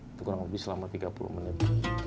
itu kurang lebih selama tiga puluh menit